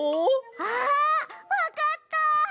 あわかった！